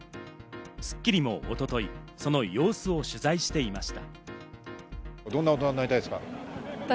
『スッキリ』も一昨日、その様子を取材していました。